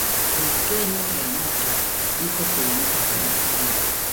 Volkeno ya moto iko kilomita thelathini